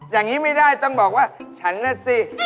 อย่างนี้ไม่ได้ต้องบอกว่าฉันน่ะสิ